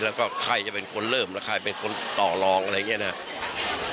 แล้วก็ใครจะเป็นคนเริ่มแล้วใครเป็นคนต่อรองอะไรอย่างนี้นะครับ